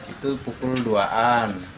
itu pukul dua an